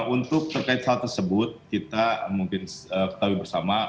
untuk terkait hal tersebut kita mungkin ketahui bersama